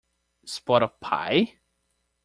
Spot of pie?